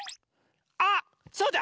あそうだ！